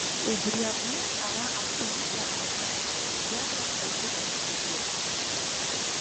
Убри аҟнытә ҳара агәаҽанызаара ҳаман, бџьарла ҳаибыҭан зегьы.